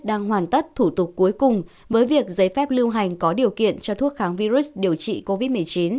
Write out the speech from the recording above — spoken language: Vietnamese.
đang hoàn tất thủ tục cuối cùng với việc giấy phép lưu hành có điều kiện cho thuốc kháng virus điều trị covid một mươi chín